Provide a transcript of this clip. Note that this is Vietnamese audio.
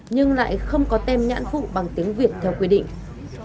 nhưng lại không có tem nhãn phụ bằng tiếng việt theo quy định